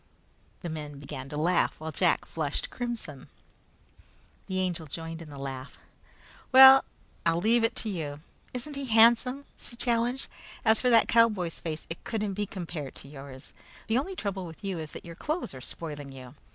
The men began to laugh while Jack flushed crimson. The Angel joined in the laugh. "Well, I'll leave it to you! Isn't he handsome?" she challenged. "As for that cowboy's face, it couldn't be compared with yours. The only trouble with you is that your clothes are spoiling you.